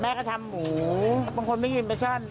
แม่ก็ทำหมูบางคนไม่กินประชาญ